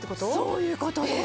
そういう事です。